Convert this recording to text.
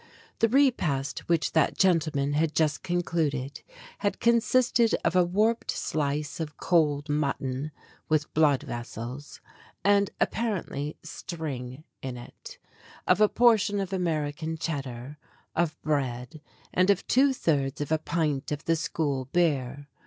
The repast which that gentleman had just concluded had consisted of a warped slice of cold mut ton with blood vessels, and, apparently, string in it; of a portion of American cheddar, of bread, and of two thirds of a pint of the school beer.